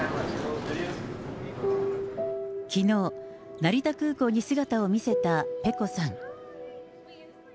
きのう、成田空港に姿を見せたペコさん。